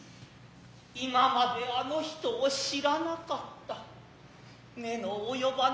今まであの人を知らなかつた目の及ばなかつた